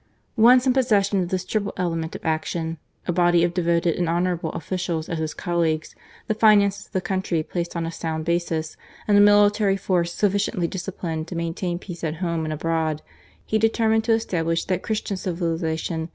Once in possession of this triple element of action — a body of devoted and honourable officials as his colleagues — ^the finances of the country placed on a sound basis, and a military force sufficiently disciplined to maintain peace at home and abroad, he determined to establish that Christian civilization 112 GARCIA MORENO.